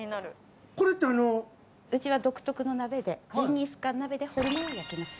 これってあのうちは独特の鍋でジンギスカン鍋でホルモンを焼きます